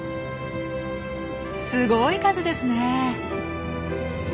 すごい数ですね。